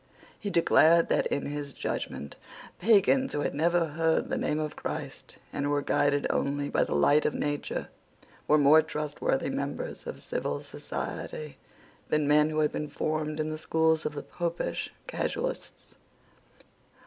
He declared that, in his judgment, Pagans who had never heard the name of Christ, and who were guided only by the light of nature, were more trustworthy members of civil society than men who had been formed in the schools of the Popish casuists.